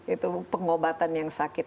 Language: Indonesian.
itu pengobatan yang sakit